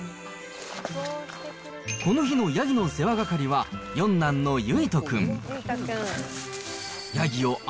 この日のヤギの世話係は、四男の結人君。